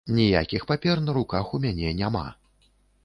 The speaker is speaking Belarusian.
Ніякіх папер на руках у мяне няма.